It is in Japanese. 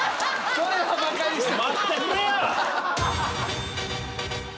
それはバカにしてる。